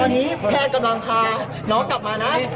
ตอนเนี้ยแฟนกำลังทาน้องกลับมานะ